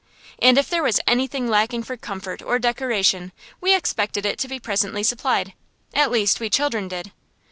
And if there was anything lacking for comfort or decoration we expected it to be presently supplied at least, we children did.